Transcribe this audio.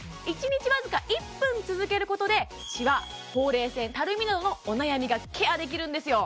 １日わずか１分続けることでシワほうれい線たるみなどのお悩みがケアできるんですよ